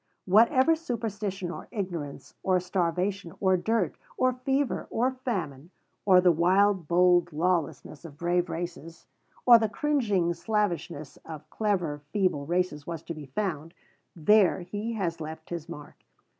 Wherever superstition or ignorance or starvation or dirt or fever or famine, or the wild bold lawlessness of brave races, or the cringing slavishness of clever feeble races was to be found, there he has left his mark.